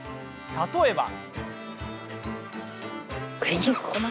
例えば。